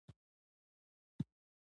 نوم په عمل ګټل کیږي